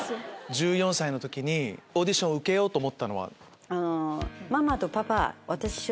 １４歳の時にオーディション受けようと思ったのは。